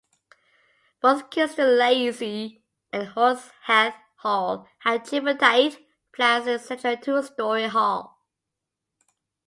Both Kingston Lacy and Horseheath Hall had tripartite plans with a central two-storey hall.